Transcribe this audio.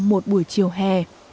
một buổi chiều hè